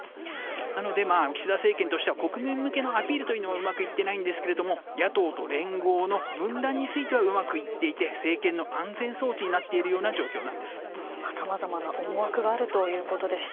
なので、岸田政権としては国民向けのアピールはうまくいっていないんですが野党と連合の分断はうまくいっていて政権の安全装置にさまざまな思惑があるということでした。